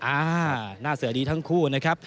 อ่าหน้าเสือดีทั้งคู่นะครับ